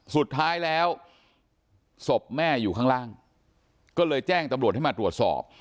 สุดท้ายแล้วศพแม่อยู่ข้างล่างก็เลยแจ้งตำรวจให้มาตรวจสอบ